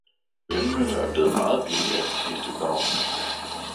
Vindmøller er blevet meget billigere de sidste par år.